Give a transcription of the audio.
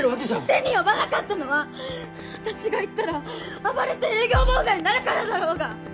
店に呼ばなかったのは私が行ったら暴れて営業妨害になるからだろうが！